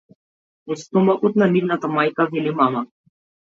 Од стомакот на нивната мајка, вели мама.